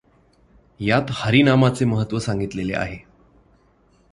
यात हरिनामाचे महत्त्व सांगितले आहे.